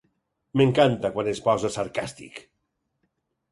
M'encanta quan es posa sarcàstic.